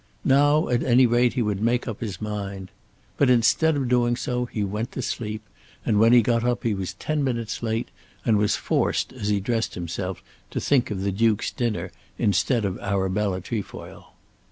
Now at any rate he would make up his mind. But, instead of doing so, he went to sleep, and when he got up he was ten minutes late, and was forced, as he dressed himself, to think of the Duke's dinner instead of Arabella Trefoil.